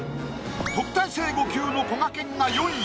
特待生５級のこがけんが４位。